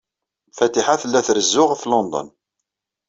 Fatiḥa tella trezzu ɣef London.